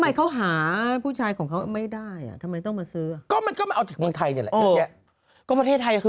ทำไมเขาหาผู้ชายของเขาไม่ได้ทำไมต้องมาซื้อ